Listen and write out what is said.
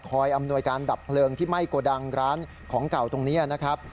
อำนวยการดับเพลิงที่ไหม้โกดังร้านของเก่าตรงนี้นะครับ